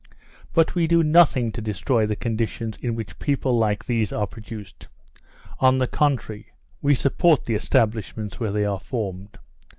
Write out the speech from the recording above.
"But we do nothing to destroy the conditions in which people like these are produced; on the contrary, we support the establishments where they are formed.